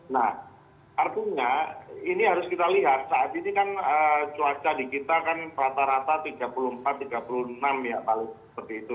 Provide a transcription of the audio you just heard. nah artinya ini harus kita lihat saat ini kan cuaca di kita kan rata rata tiga puluh empat tiga puluh enam ya paling seperti itu